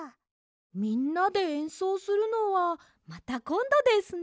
みんなでえんそうするのはまたこんどですね。